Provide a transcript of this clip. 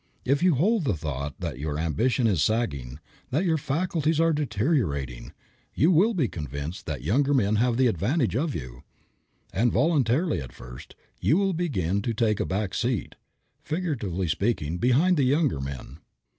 If you hold the thought that your ambition is sagging, that your faculties are deteriorating, you will be convinced that younger men have the advantage of you, and, voluntarily, at first, you will begin to take a back seat, figuratively speaking, behind the younger men.